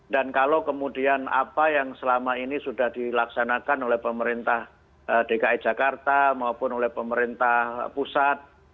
dan kalau kemudian apa yang selama ini sudah dilaksanakan oleh pemerintah dki jakarta maupun oleh pemerintah pusat